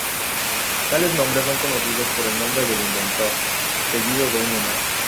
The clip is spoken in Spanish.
Tales nombres son conocidos por el nombre del inventor, seguido de un número.